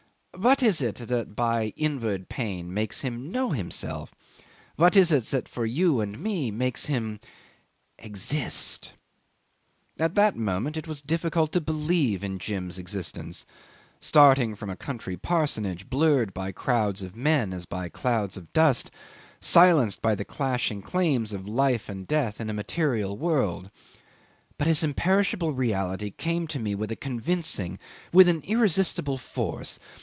What is it that by inward pain makes him know himself? What is it that for you and me makes him exist?" 'At that moment it was difficult to believe in Jim's existence starting from a country parsonage, blurred by crowds of men as by clouds of dust, silenced by the clashing claims of life and death in a material world but his imperishable reality came to me with a convincing, with an irresistible force!